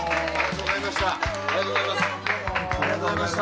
ありがとうございます。